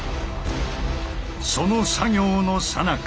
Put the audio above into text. その作業のさなか。